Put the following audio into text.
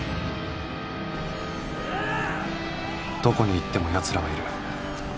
どこに行ってもヤツらはいる